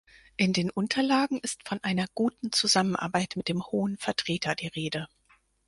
In den Unterlagen ist von einer guten Zusammenarbeit mit dem Hohen Vertreter die Rede.